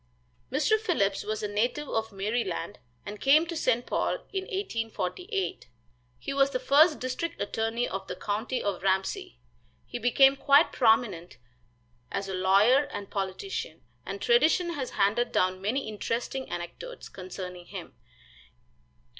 Mr. Phillips was a native of Maryland, and came to St. Paul in 1848. He was the first district attorney of the county of Ramsey. He became quite prominent as a lawyer and politician, and tradition has handed down many interesting anecdotes concerning him.